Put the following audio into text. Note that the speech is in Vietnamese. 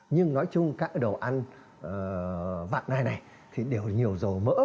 nhưng nói chung các đồ ăn vạc này này thì đều nhiều dầu mỡ